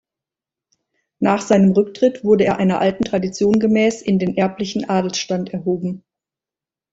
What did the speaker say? Nach seinem Rücktritt wurde er einer alten Tradition gemäß in den erblichen Adelsstand erhoben.